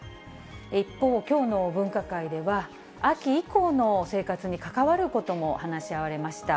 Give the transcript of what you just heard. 一方、きょうの分科会では、秋以降の生活に関わることも話し合われました。